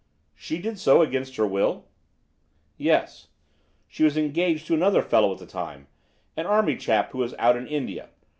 "She did so against her will?" "Yes. She was engaged to another fellow at the time, an army chap who was out in India.